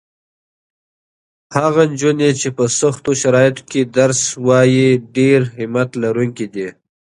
هغه نجونې چې په سختو شرایطو کې درس لولي ډېرې همت لرونکې دي.